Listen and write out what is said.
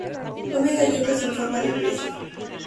Come galletas en forma de pez.